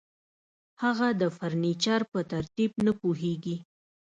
هغه د فرنیچر په ترتیب نه پوهیږي